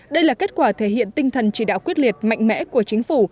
đây là kết quả thể hiện tinh thần chỉ đạo quyết liệt mạnh mẽ của chính phủ